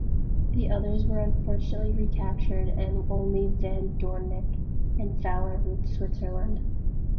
The others were unfortunately recaptured and only van Doorninck and Fowler reached Switzerland.